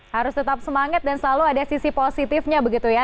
harus tetap semangat dan selalu ada sisi positifnya begitu ya